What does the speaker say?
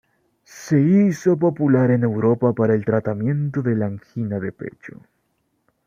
Se hizo popular en Europa para el tratamiento de la angina de pecho.